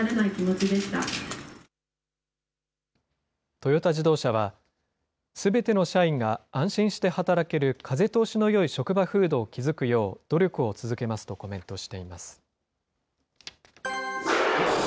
トヨタ自動車は、すべての社員が安心して働ける風通しのよい職場風土を築くよう努力を続けますとコメントしています。